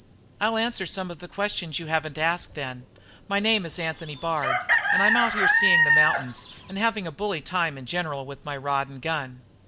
"I'll answer some of the questions you haven't asked, then. My name is Anthony Bard and I'm out here seeing the mountains and having a bully time in general with my rod and gun."